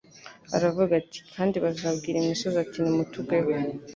Aravuga ati: "Kandi bazabwira imisozi : bati nimutugweho,